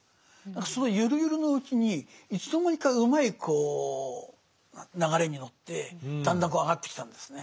そのゆるゆるのうちにいつの間にかうまいこう流れに乗ってだんだんこう上がってきたんですね。